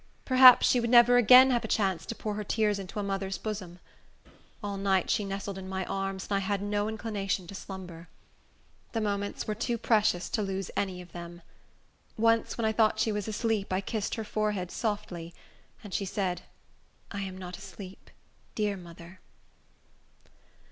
Perhaps she would never again have a chance to pour her tears into a mother's bosom. All night she nestled in my arms, and I had no inclination to slumber. The moments were too precious to lose any of them. Once, when I thought she was asleep, I kissed her forehead softly, and she said, "I am not asleep, dear mother."